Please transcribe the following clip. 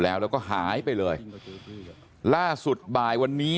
แล้วก็ยัดลงถังสีฟ้าขนาด๒๐๐ลิตร